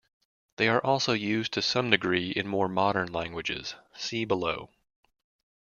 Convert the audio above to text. They are also used to some degree in more modern languages; see below.